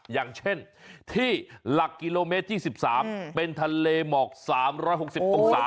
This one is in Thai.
อย่างเช่นที่หลักกิโลเมตรที่๑๓เป็นทะเลหมอก๓๖๐องศา